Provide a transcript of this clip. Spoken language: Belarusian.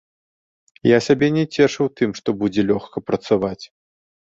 Я сябе не цешу тым, што будзе лёгка працаваць.